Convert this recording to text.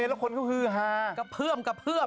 แล้วคนเขาก็คือฮากระเพื้อม